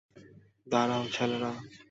দাঁড়াও, ছেলেরা।